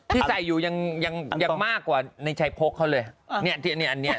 ที่ใส่อยู่ยังมากกว่าในชายโพกเขาเลย